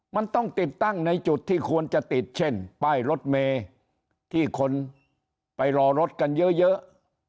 มันต้องติดตั้งในจุดที่ควรจะติดเช่นป้ายรถเมย์ที่คนไปรอรถกันเยอะ